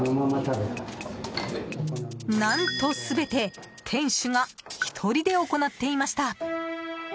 何と、全て店主が１人で行っていました。